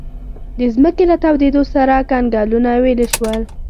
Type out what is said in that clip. د ځمکې له تودېدو سره کنګلونه ویلې شول.